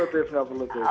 perlu tiff nggak perlu tiff